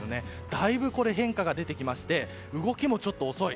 だいぶ変化が出てきまして動きもちょっと遅い。